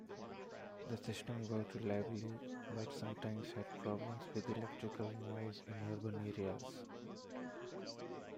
The system worked reliably but sometimes had problems with electrical noise in urban areas.